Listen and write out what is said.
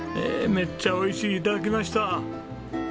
「めっちゃおいしい」頂きました。